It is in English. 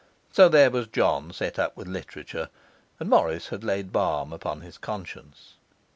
So there was John set up with literature, and Morris had laid balm upon his conscience.